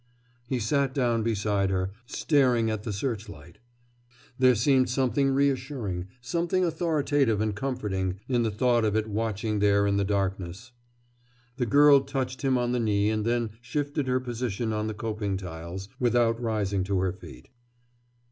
He sat down beside her, staring at the searchlight. There seemed something reassuring, something authoritative and comforting, in the thought of it watching there in the darkness. The girl touched him on the knee and then shifted her position on the coping tiles, without rising to her feet.